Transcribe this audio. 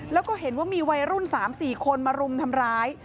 แล้วก็เห็นว่ามีวัยรุ่น๓๔คนมารุมทำร้าย